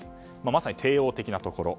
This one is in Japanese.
まさに帝王的なところ。